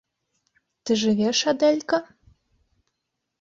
- Ты жывеш, Адэлька?..